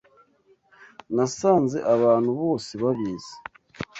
Nasanze abantu bose babizi.